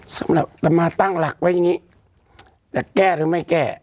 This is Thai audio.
สำหรับจะมาตั้งหลักไว้อย่างนี้จะแก้หรือไม่แก้